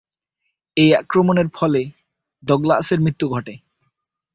এই আক্রমণের ফলে ডগলাসের মৃত্যু ঘটে।